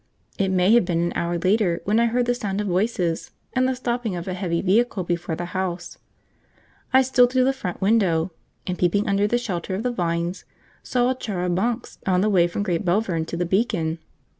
It may have been an hour later when I heard the sound of voices and the stopping of a heavy vehicle before the house. I stole to the front window, and, peeping under the shelter of the vines, saw a char a bancs, on the way from Great Belvern to the Beacon.